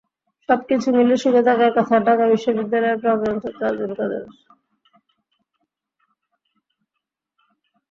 সবকিছু মিলে সুখে থাকার কথা ঢাকা বিশ্ববিদ্যালয়ের প্রাক্তন ছাত্র আবদুল কাদেরের।